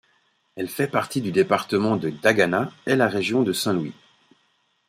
Elle fait partie du département de Dagana et la région de Saint-Louis.